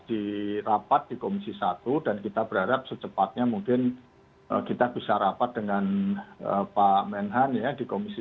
di rapat di komisi satu dan kita berharap secepatnya mungkin kita bisa rapat dengan pak menhan ya di komisi tiga